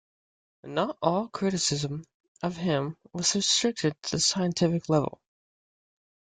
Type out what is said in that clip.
Not all criticism of him was restricted to the scientific level.